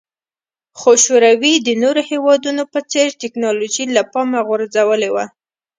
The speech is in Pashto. خو شوروي د نورو هېوادونو په څېر ټکنالوژي له پامه غورځولې وه